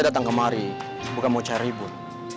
datang kemari bukan mau cari ribut